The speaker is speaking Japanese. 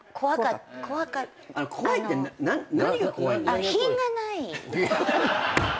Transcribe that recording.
怖いって何が怖いの？